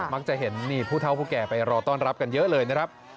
มักจะเห็นนี่ผู้เท่าผู้แก่ไปรอต้อนรับกันเยอะเลยนะครับ